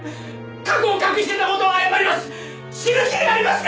過去を隠していた事は謝ります！